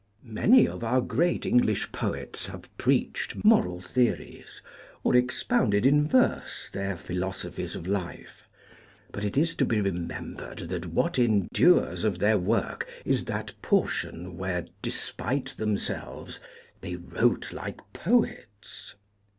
Many of our great English poets have preached moral theories, or expounded in verse their philosophies of life; but it is to be remembered that what endures of their work is that portion where, despite themselves, they wrote like poets.